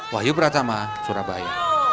wahyu pratama surabaya